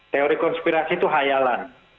teori konspirasi itu hayalan